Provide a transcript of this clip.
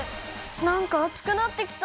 なんかあつくなってきた。